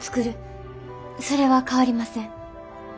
それは変わりません。